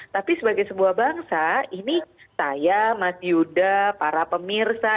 tapi sebagai sebuah bangsa ini saya mas yuda para pemirsa